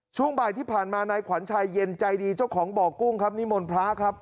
ช่วงบ่ายที่ผ่านมานายขวัญชัยเย็นใจดีเจ้าของบ่อกุ้งครับนิมนต์พระครับ